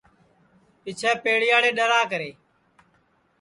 پِچھیں پیڑے یاڑے ڈؔراکرے